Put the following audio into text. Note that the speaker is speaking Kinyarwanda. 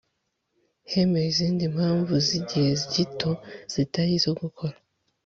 hemewe izindi mpamvu zigihe gito zitari izo gukora